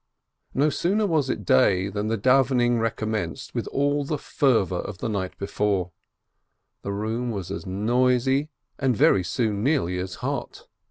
No sooner was it day, than the davvening recom menced with all the fervor of the night before, the room was as noisy, and very soon nearly as hot.